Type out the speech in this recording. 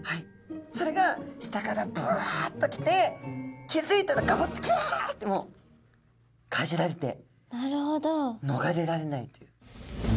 それが下からブワッと来て気付いたらガブッてキャッてもうかじられてのがれられないという。